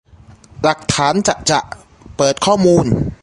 หลักฐานจะจะ!เปิดข้อมูล